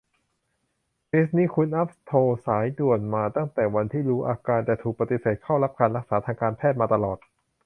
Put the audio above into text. เคสนี้คุณอัพโทรสายด่วนมาตั้งแต่วันที่รู้อาการ แต่ถูกปฎิเสธเข้ารับการรักษาทางการแพทย์มาตลอด